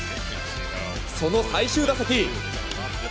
その最終打席。